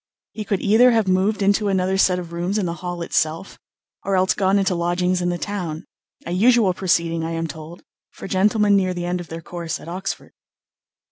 He could either have moved into another set of rooms in the Hall itself, or else gone into lodgings in the town a usual proceeding, I am told, for gentlemen near the end of their course at Oxford.